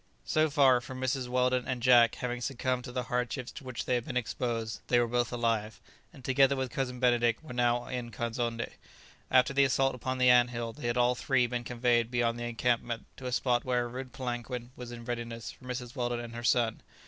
So far from Mrs. Weldon and Jack having succumbed to the hardships to which they had been exposed, they were both alive, and together with Cousin Benedict were now in Kazonndé. After the assault upon the ant hill they had all three been conveyed beyond the encampment to a spot where a rude palanquin was in readiness for Mrs. Weldon and her son.